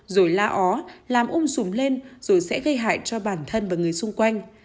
rồi la ó làm ung sùm lên rồi sẽ gây hại cho bản thân và người xung quanh